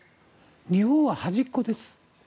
日本は端っこです。